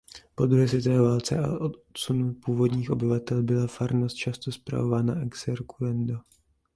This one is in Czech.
Po druhé světové válce a odsunu původních obyvatel byla farnost často spravována excurrendo.